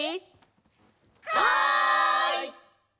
はい！